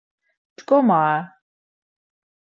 Pşǩomare.